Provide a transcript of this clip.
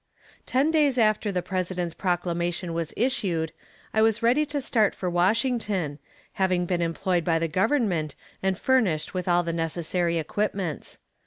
Ten days after the President's proclamation was issued, I was ready to start for Washington, having been employed by the Government, and furnished with all the necessary equipments.